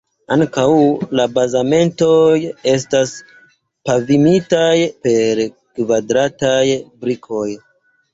Ankau la bazamentoj estas pavimitaj per kvadrataj brikoj.